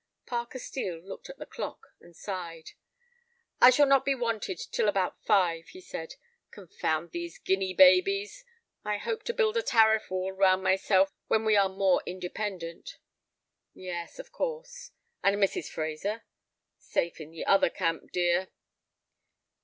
Parker Steel looked at the clock, and sighed. "I shall not be wanted till about five," he said. "Confound these guinea babies. I hope to build a tariff wall round myself when we are more independent." "Yes, of course." "And Mrs. Fraser?" "Safe in the other camp, dear."